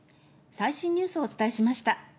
最新ニュースをお伝えしました。